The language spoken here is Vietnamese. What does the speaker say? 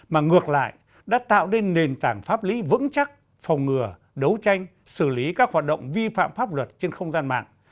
mà ngược lại đã tạo nên nền tảng pháp lý vững chắc phòng ngừa đấu tranh xử lý các hoạt động vi phạm pháp luật trên không gian mạng